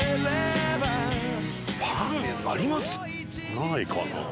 ないかな？